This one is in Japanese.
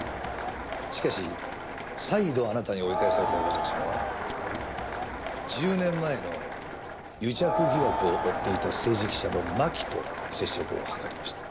しかし再度あなたに追い返された横崎さんは１０年前の癒着疑惑を追っていた政治記者の巻と接触を図りました。